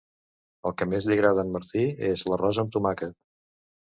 El que més li agrada a en Martí és l'arròs amb tomàquet